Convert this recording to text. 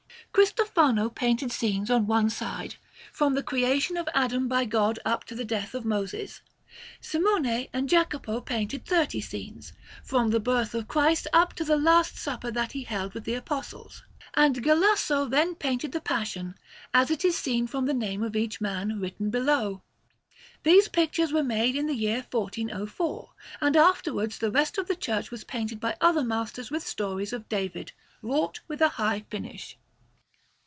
Cristofano painted scenes on one side, from the Creation of Adam by God up to the death of Moses, Simone and Jacopo painted thirty scenes, from the Birth of Christ up to the Last Supper that He held with the Apostles, and Galasso then painted the Passion, as it is seen from the name of each man, written below. These pictures were made in the year 1404, and afterwards the rest of the church was painted by other masters with stories of David, wrought with a high finish.